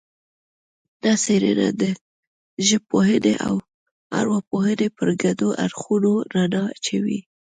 دا څېړنه د ژبپوهنې او ارواپوهنې پر ګډو اړخونو رڼا اچوي